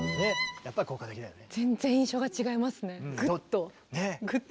やっぱり効果的だよね。